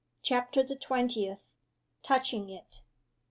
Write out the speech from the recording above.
CHAPTER THE TWENTIETH. TOUCHING IT.